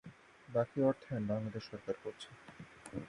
বাকি অর্থায়ন বাংলাদেশ সরকার করছে।